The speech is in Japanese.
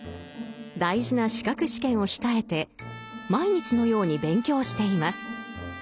大事な資格試験を控えて毎日のように勉強しています。